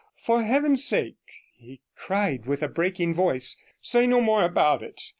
For Heaven's sake,' he cried with a breaking voice, 'say no more about it!